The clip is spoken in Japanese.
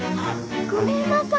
ごめんなさい。